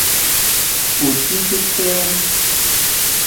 U ci casiim.